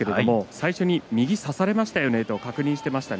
最初に右を差されましたよねと確認していました。